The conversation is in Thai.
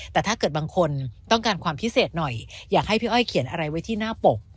แต่ถ้าเกิดบางคนต้องการความพิเศษหน่อยอยากให้พี่อ้อยเขียนอะไรไว้ที่หน้าปก